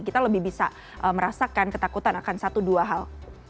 kita lebih bisa merasakan ketakutan akan satu dua hal